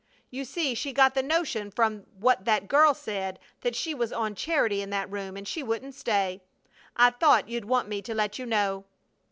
You see she got the notion from what that girl said that she was on charity in that room and she wouldn't stay. I thought you'd want me to let you know!"